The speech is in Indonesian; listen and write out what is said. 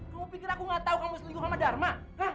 kamu pikir aku gak tahu kamu setuju sama dharma